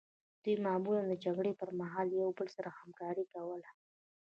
دوی معمولا د جګړې پرمهال له یو بل سره همکاري کوله